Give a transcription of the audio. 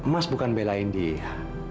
mas bukan belain dia